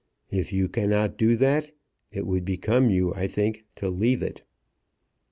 If you cannot do that, it would become you, I think, to leave it."